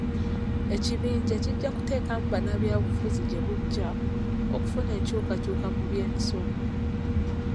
Ekibinja kijja kuteekamu bannabyabufuzi gye bujja okufuna enkyukakyuka mu by'emisolo.